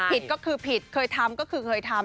ผิดก็คือผิดเคยทำก็คือเคยทำ